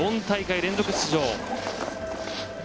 ４大会連続出場。